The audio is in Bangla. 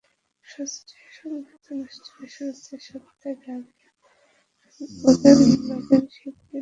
শাস্ত্রীয় সংগীতানুষ্ঠানের শুরুতে সন্ধ্যার রাগ ইমন পরিবেশন করেন নবীন শিল্পী নরেন চক্রবর্তী।